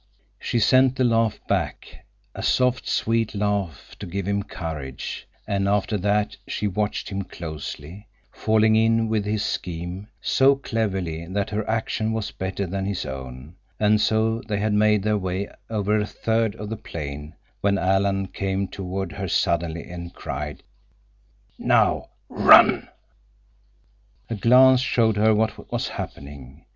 She sent the laugh back, a soft, sweet laugh to give him courage, and after that she watched him closely, falling in with his scheme so cleverly that her action was better than his own—and so they had made their way over a third of the plain when Alan came toward her suddenly and cried, "Now, run!" A glance showed her what was happening.